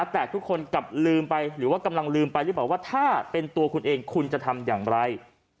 แต่ทุกคนกำลังลืมไปหรือบอกว่าถ้าเป็นตัวคุณเองคุณจะทำอย่างไร